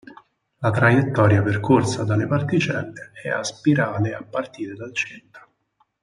La traiettoria percorsa dalle particelle è a spirale a partire dal centro.